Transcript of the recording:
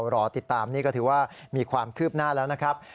รอติดตามนี่ก็ถือว่ามีความคืบหน้าแล้วนะครับ